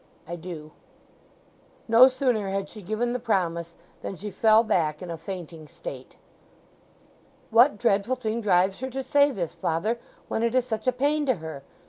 "I do." No sooner had she given the promise than she fell back in a fainting state. "What dreadful thing drives her to say this, father, when it is such a pain to her?"